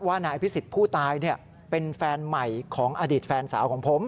นายอภิษฎผู้ตายเป็นแฟนใหม่ของอดีตแฟนสาวของผม